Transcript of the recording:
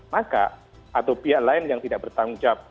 maka atau pihak lain yang tidak bertanggung jawab